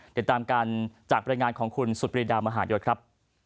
เดี๋ยวตามการจากบริงารของคุณสุฤษฎีริดามหาญโยชน์